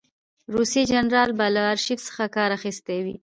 روسي جنرال به له آرشیف څخه کار اخیستی وي.